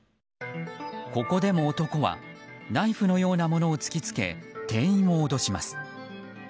ここでも、男はナイフのようなものを突きつけ店員を脅します。